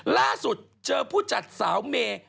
ล่าสุดเจอผู้จัดสาวเมย์